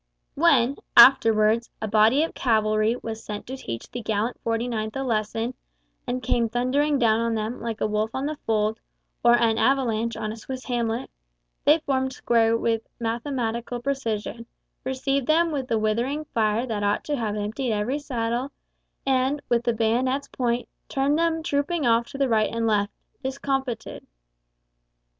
When, afterwards, a body of cavalry was sent to teach the gallant 49th a lesson, and came thundering down on them like a wolf on the fold, or an avalanche on a Swiss hamlet, they formed square with mathematical precision, received them with a withering fire that ought to have emptied every saddle, and, with the bayonet's point, turned them trooping off to the right and left, discomfited.